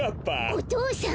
お父さん！